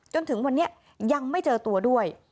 จนถึงวันนี้ยังไม่เจอตัวด้วย